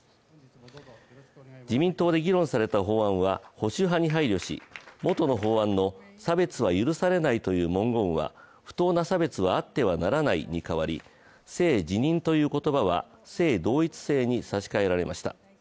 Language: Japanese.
自民党で議論された法案は保守派に配慮し、元の法案の「差別は許されない」という文言は「不当な差別はあってはならない」に変わり、「性自認」という言葉は「性同一性」に差し替えられました。